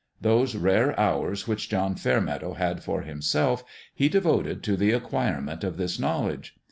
Those rare hours which John Fairmeadow had for himself he devoted to the acquirement of this knowledge.